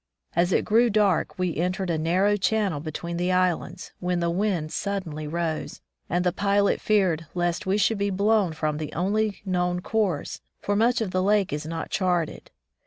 As it grew dark we entered a narrow channel between the islands, when the wind suddenly rose, and the pilot feared lest we should be blown from the only known course, for much of the lake is not charted.